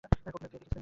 কখনো গেয়ে দেখেছিলে?